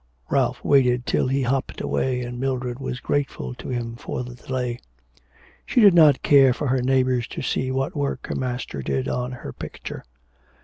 Ralph waited till he hopped away, and Mildred was grateful to him for the delay; she did not care for her neighbours to see what work her master did on her picture.